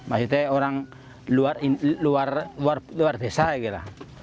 ada orang luar orang luar desa